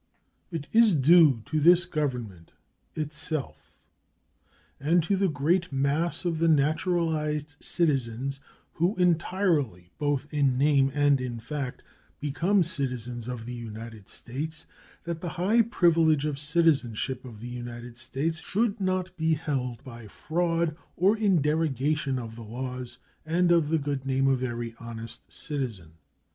It is due to this Government itself and to the great mass of the naturalized citizens who entirely, both in name and in fact, become citizens of the United States that the high privilege of citizenship of the United States should not be held by fraud or in derogation of the laws and of the good name of every honest citizen.